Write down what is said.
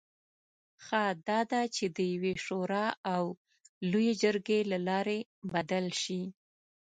ښه دا ده چې د یوې شورا او لویې جرګې له لارې بدل شي.